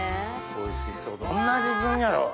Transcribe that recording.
おいしそうどんな味すんやろう。